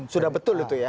sudah betul itu ya